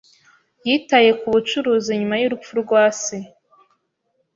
Yitaye ku bucuruzi nyuma y'urupfu rwa se.